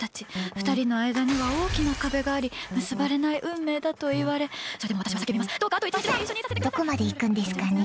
２人の間には大きな壁があり結ばれない運命だといわれどこまで行くんですかね。